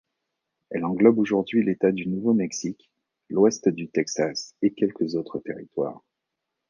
Elle englobe aujourd'hui l'État du Nouveau-Mexique, l'ouest du Texas et quelques autres territoires.